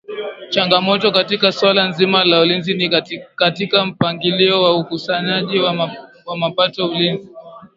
Changamoto katika suala nzima la Ulinzi ni katika mpangilio wa ukusanyaji wa mapato ulinzi